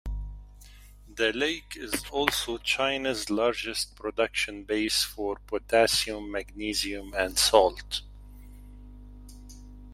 The lake is also China's largest production base for potassium, magnesium, and salt.